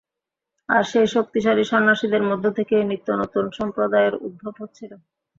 আর সেই শক্তিশালী সন্ন্যাসীদের মধ্য থেকেই নিত্যনূতন সম্প্রদায়ের উদ্ভব হচ্ছিল।